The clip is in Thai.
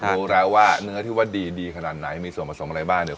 แสดงแสดงว่าเนื้อดีขนาดไหนส่วนผสมอะไรบ้าง